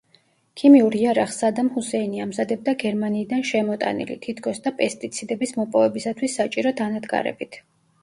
ქიმიურ იარაღს სადამ ჰუსეინი ამზადებდა გერმანიიდან შემოტანილი, თითქოს და პესტიციდების მოპოვებისათვის საჭირო დანადგარებით.